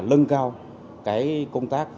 lân cao cái công tác